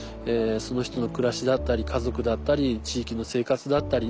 その人の暮らしだったり家族だったり地域の生活だったり。